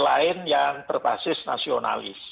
lain yang berbasis nasionalis